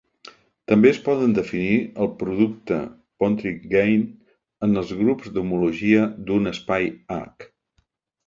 També es pot definir el producte Pontryagin en els grups d'homologia d'un espai H.